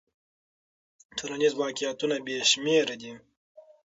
ټولنیز واقعیتونه بې شمېره دي.